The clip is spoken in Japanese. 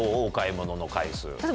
お買い物の回数。